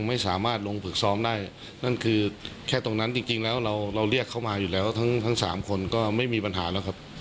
ไม่สามารถลงฝึกซ้อมได้นั่นคือแค่ตรงนั้นจริงแล้วเราเรียกเขามาอยู่แล้วทั้งทั้งสามคนก็ไม่มีปัญหาแล้วครับ